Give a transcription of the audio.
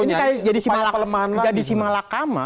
ini kayak jadi simalakama